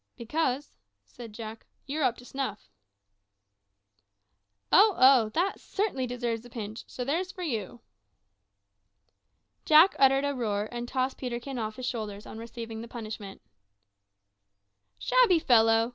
"Because," said Jack, "you're `_up to snuff_.'" "Oh, oh! that certainly deserves a pinch; so there's for you." Jack uttered a roar, and tossed Peterkin off his shoulders, on receiving the punishment. "Shabby fellow!"